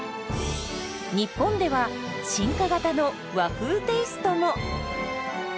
日本では進化型の和風テイストも！